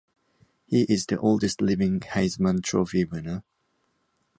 He is the oldest living Heisman Trophy winner.